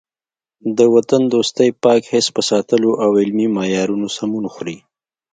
د وطن دوستۍ پاک حس په ساتلو او علمي معیارونو سمون خوري.